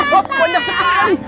wah banyak sekali